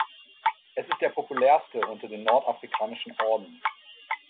Es ist der populärste unter den nordafrikanischen Orden.